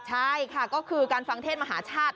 ใช่ค่ะก็คือการฟังเทศมหาชาติ